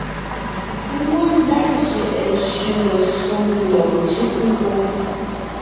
Ngwɔ́ ndá jʉʼɛ sẅiŋe shúm lɔg njʉʼ ngwóŋ;